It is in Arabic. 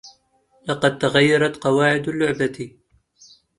لقد تغيرت قواعد اللعبة.